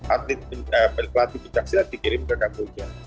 atlet pelatih pencaksilat dikirim ke kamboja